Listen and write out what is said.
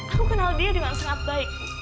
aku kenal dia dengan sangat baik